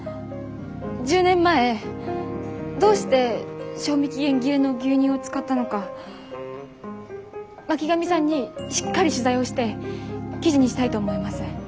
１０年前どうして賞味期限切れの牛乳を使ったのか巻上さんにしっかり取材をして記事にしたいと思います。